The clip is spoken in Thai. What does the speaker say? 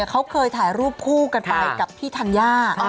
เขาเคยถ่ายรูปคู่กับพี่ทัญญา